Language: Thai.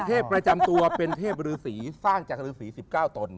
เทพประจำตัวเป็นเทพฤษีสร้างจากฤษี๑๙ตน